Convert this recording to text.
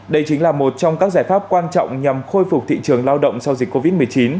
đây chính là một trong các giải pháp quan trọng nhằm khôi phục thị trường lao động sau dịch covid một mươi chín